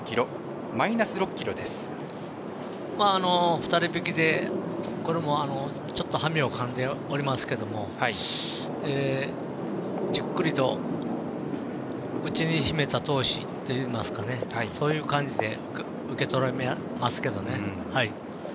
二人引きでこれもハミをかんでおりますけどじっくりと内に秘めた闘志といいますかねそういう感じで受け止めますけどね。